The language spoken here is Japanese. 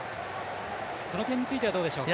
その点についてはどうでしょうか。